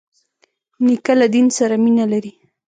نیکه له دین سره مینه لري.